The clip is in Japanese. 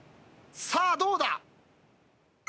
さあどうだ？